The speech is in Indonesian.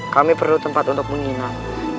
kami perlu tempat untuk menginap